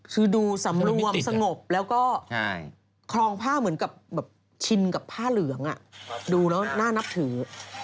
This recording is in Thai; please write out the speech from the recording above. คือดูสำรวมสงบแล้วก็ครองผ้าเหมือนกับแบบชินกับผ้าเหลืองดูแล้วน่านับถือ